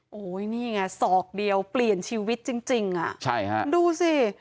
โอ้โหนี่ไงศอกเดียวเปลี่ยนชีวิตจริงจริงอ่ะใช่ฮะดูสิ